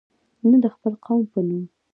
نه د خپل قوم په نوم.